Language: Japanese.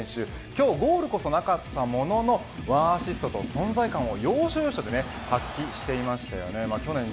今日はゴールこそなかったものの１アシストと要所、要所で存在感を要所要所で発揮していました。